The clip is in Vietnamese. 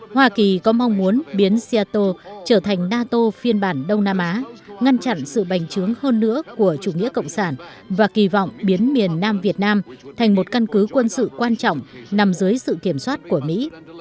hoa kỳ có mong muốn biến seattle trở thành nato phiên bản đông nam á ngăn chặn sự bành trướng hơn nữa của chủ nghĩa cộng sản và kỳ vọng biến miền nam việt nam thành một căn cứ quân sự quan trọng nằm dưới sự kiểm soát của mỹ